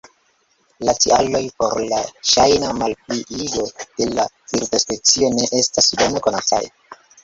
La tialoj por la ŝajna malpliigo de la birdospecio ne estas bone konataj.